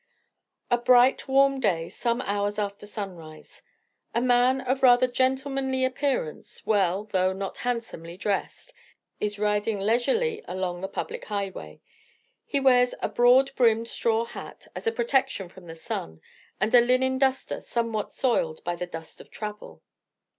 A bright, warm day, some hours after sunrise. A man of rather gentlemanly appearance, well, though not handsomely dressed, is riding leisurely along the public highway. He wears a broad brimmed straw hat as a protection from the sun, and a linen duster somewhat soiled by the dust of travel.